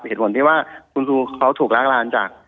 เหตุผลที่ว่าคุณครูเขาถูกล้างลานจาก